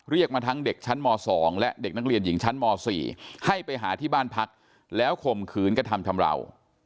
เรียกมาทั้งเด็กชั้นม๒และเด็กนักเรียนหญิงชั้นม๔ให้ไปหาที่บ้านพักแล้วข่มขืนกระทำชำราว